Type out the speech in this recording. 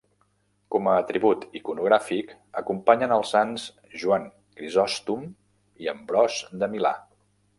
Com a atribut iconogràfic, acompanyen els sants Joan Crisòstom i Ambròs de Milà.